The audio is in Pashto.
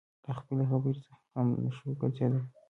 له خپلې خبرې څخه هم نشوى ګرځېدى.